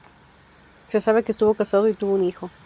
Se sabe que estuvo casado y tuvo un hijo.